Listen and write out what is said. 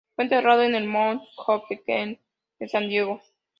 Fue enterrado en el "Mount Hope Cemetery" de San Diego.